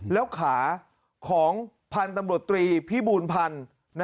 แล้วขาของพันธุ์ตำรวจตรีพิบูลพันธ์